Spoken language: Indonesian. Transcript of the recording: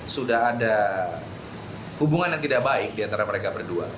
sudah ada hubungan yang tidak baik diantara mereka berdua